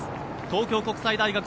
東京国際大学